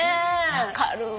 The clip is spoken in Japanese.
分かるわ。